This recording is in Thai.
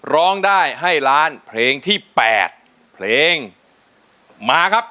ร้องได้ให้ล้านเพลงที่๘เพลงมาครับ